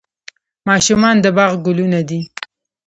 ماشومان د باغ ګلونه دي